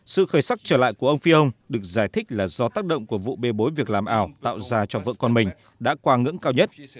sự khởi sắc trở lại của ông phi ông được giải thích là do tác động của vụ bê bối việc làm ảo tạo ra cho vợ con mình đã qua ngưỡng cao nhất